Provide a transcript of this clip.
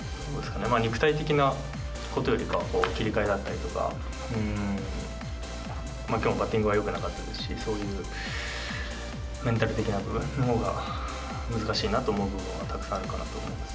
肉体的なことよりかは、切り替えだったりとか、きょうもバッティングはよくなかったですし、そういうメンタル的な部分のほうが、難しいなと思う部分はたくさんあるかなと思います。